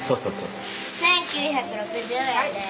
１９６０円です。